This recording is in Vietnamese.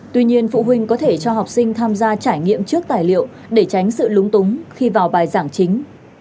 tuy nhiên phụ huynh có thể cho học sinh tham gia trải nghiệm trước tài liệu để tránh sự lúng túng khi vào bài giảng chính